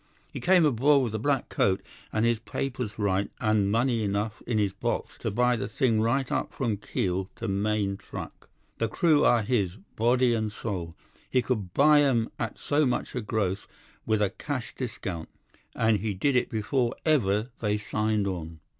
He came aboard with a black coat, and his papers right, and money enough in his box to buy the thing right up from keel to main truck. The crew are his, body and soul. He could buy 'em at so much a gross with a cash discount, and he did it before ever they signed on.